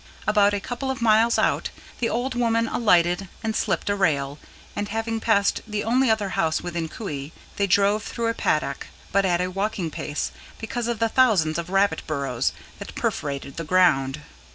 About a couple of miles out, the old woman alighted and slipped a rail; and having passed the only other house within cooee, they drove through a paddock, but at a walking pace, because of the thousands of rabbit burrows that perforated the ground.